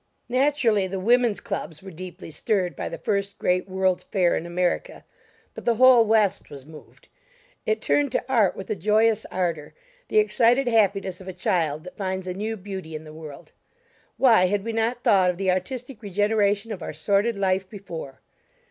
Naturally, the women's clubs were deeply stirred by the first great World's Fair in America. But the whole West was moved. It turned to art with a joyous ardor, the excited happiness of a child that finds a new beauty in the world. Why had we not thought of the artistic regeneration of our sordid life before?